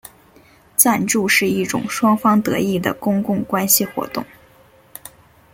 赞助是一种双方得益的公共关系活动。